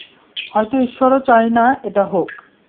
হয়তো ইশ্বরও চায় না এটা হোক।